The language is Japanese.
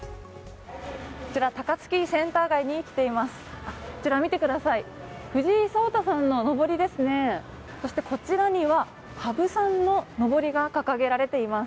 こちら、高槻センター街に来ています。